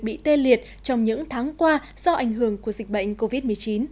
bị tê liệt trong những tháng qua do ảnh hưởng của dịch bệnh covid một mươi chín